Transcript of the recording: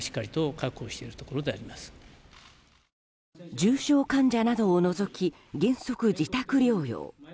重症患者などを除き原則、自宅療養。